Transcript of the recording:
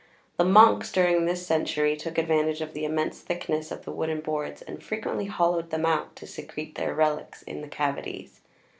The monks, during this century, took advantage of the immense thickness of the wooden boards and frequently hollowed them out to secrete their relics in the cavities.